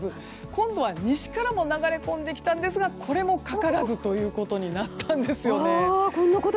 今度は西からも流れ込んできたんですがこれもかからずということになったんですね。